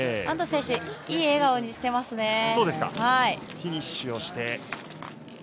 安藤選手、いい笑顔してますね。